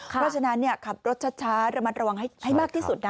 เพราะฉะนั้นขับรถช้าระมัดระวังให้มากที่สุดนะ